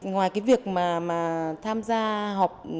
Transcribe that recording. ngoài cái việc mà tham gia họp